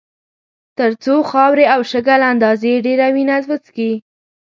تر څو خاورې او شګه له اندازې ډېره وینه وڅښي.